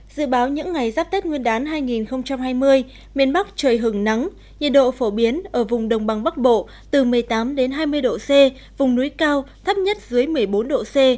dự báo những ngày giáp tết nguyên đán hai nghìn hai mươi miền bắc trời hứng nắng nhiệt độ phổ biến ở vùng đồng bằng bắc bộ từ một mươi tám hai mươi độ c vùng núi cao thấp nhất dưới một mươi bốn độ c